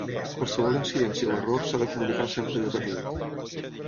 Qualsevol incidència o error s'ha de comunicar al centre educatiu.